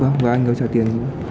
vâng và anh hữu trả tiền như thế nào